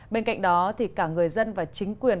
bên cạnh đó thì cả người dân và chính quyền